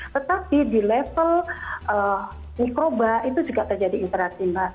tetapi di level mikroba itu juga terjadi interaksi mas